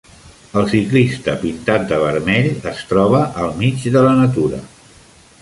El ciclista pintat de vermell es troba al mig de la natura.